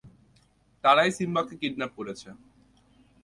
তারাই সিম্বাকে কিডন্যাপ করেছে।